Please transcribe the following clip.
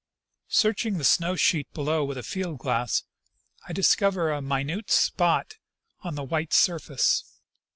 Searching the snow sheet below with a field glass, I discover a minute spot on the white surface.